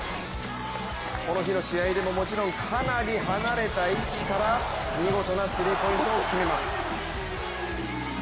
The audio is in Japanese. この日の試合でももちろんかなり離れた位置から見事なスリーポイントを決めます。